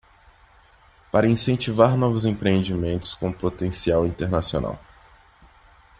Para incentivar novos empreendimentos com potencial internacional